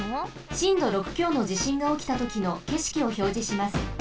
しんど６きょうのじしんがおきたときのけしきをひょうじします。